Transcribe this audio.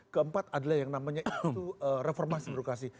keempat adalah yang namanya itu reformasi birokrasi